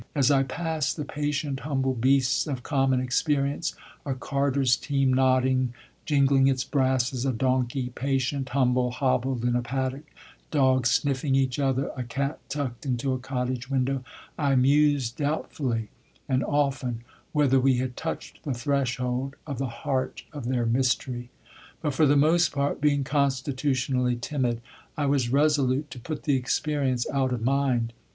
As I passed the patient, humble beasts of common experience a carter's team nodding, jingling its brasses, a donkey, patient, humble, hobbled in a paddock, dogs sniffing each other, a cat tucked into a cottage window, I mused doubtfully and often whether we had touched the threshold of the heart of their mystery. But for the most part, being constitutionally timid, I was resolute to put the experience out of mind.